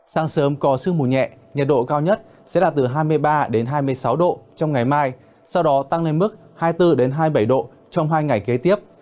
sáng sớm có sương mù nhẹ nhiệt độ cao nhất sẽ là từ hai mươi ba đến hai mươi sáu độ trong ngày mai sau đó tăng lên mức hai mươi bốn hai mươi bảy độ trong hai ngày kế tiếp